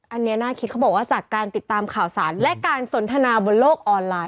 อันนี้น่าคิดเขาบอกว่าจากการติดตามข่าวสารและการสนทนาบนโลกออนไลน